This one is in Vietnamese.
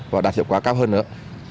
và đạt hiệu quả cao hơn nữa